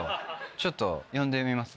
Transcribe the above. ちょっと呼んでみます？